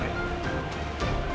kalo dia dihamilin oleh roy